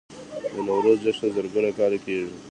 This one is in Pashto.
د نوروز جشن زرګونه کاله کیږي